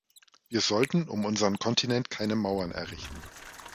Wir sollten um unseren Kontinent keine Mauern errichten.